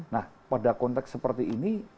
nah pada konteks seperti ini